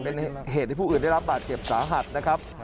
เป็นเหตุให้ผู้อื่นได้รับบาดเจ็บสาหัสนะครับ